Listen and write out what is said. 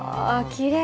きれい。